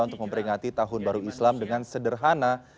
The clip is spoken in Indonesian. untuk memperingati tahun baru islam dengan sederhana